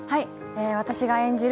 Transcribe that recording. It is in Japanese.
私が演じる